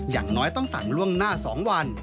อย่างน้อยต้องสั่งล่วงหน้า๒วัน